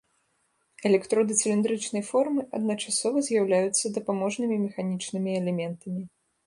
Электроды цыліндрычнай формы, адначасова з'яўляюцца дапаможнымі механічнымі элементамі.